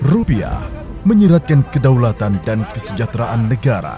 rupiah menyiratkan kedaulatan dan kesejahteraan negara